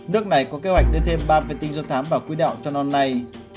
nước này có kế hoạch đưa thêm ba vệ tinh do thám vào quỹ đạo cho năm nay